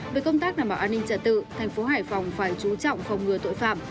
với công tác đảm bảo an ninh trở tự tp hải phòng phải chú trọng phòng ngừa tội phạm